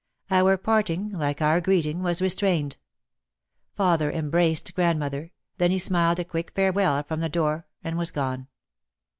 Our parting like our greeting was restrained. Father embraced grandmother, then he smiled a quick farewell from the door and was gone.